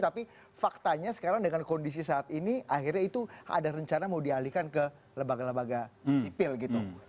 tapi faktanya sekarang dengan kondisi saat ini akhirnya itu ada rencana mau dialihkan ke lembaga lembaga sipil gitu